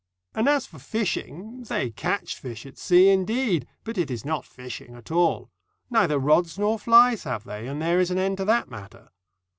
And as for fishing they catch fish at sea, indeed, but it is not fishing at all; neither rods nor flies have they, and there is an end to that matter.